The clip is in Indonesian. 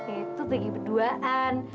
itu lagi berduaan